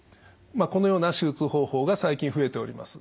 このような手術方法が最近増えております。